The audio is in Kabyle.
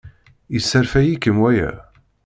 Yesserfay-ikem waya?